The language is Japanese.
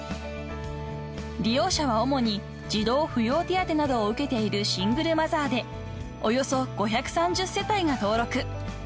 ［利用者は主に児童扶養手当などを受けているシングルマザーでおよそ５３０世帯が登録］